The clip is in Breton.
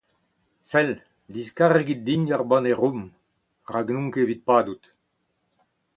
Sell ! diskargit din ur banne rom, rak n’on ket evit padout.